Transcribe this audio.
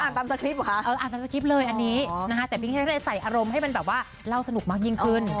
ตามสคริปต์เหรอคะอ่านตามสคริปต์เลยอันนี้นะคะแต่พี่เค้กเลยใส่อารมณ์ให้มันแบบว่าเล่าสนุกมากยิ่งขึ้น